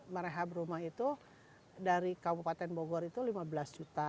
merehab rumah itu dari kabupaten bogor itu lima belas juta